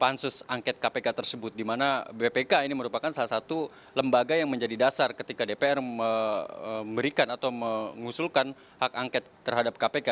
pansus angket kpk tersebut dimana bpk ini merupakan salah satu lembaga yang menjadi dasar ketika dpr memberikan atau mengusulkan hak angket terhadap kpk